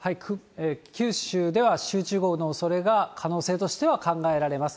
九州では集中豪雨のおそれが、可能性としては考えられます。